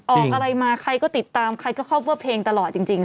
ออกอะไรมาใครก็ติดตามใครก็คอปเวอร์เพลงตลอดจริง